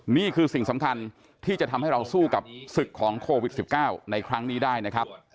นี่คือสิ่งสำคัญที่จะทำให้เราสู้กับศึกของโควิด๑๙ในครั้งนี้ได้นะครับ